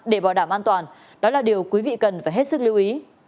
để bảo đảm an toàn đó là điều quý vị cần phải hết sức lưu ý